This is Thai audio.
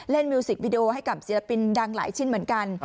มิวสิกวิดีโอให้กับศิลปินดังหลายชิ้นเหมือนกัน